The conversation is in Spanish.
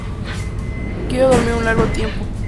Quiero dormir un largo tiempo.